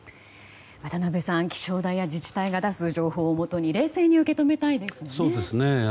渡辺さん、気象台や自治体が出す情報をもとに冷静に受け止めたいですよね。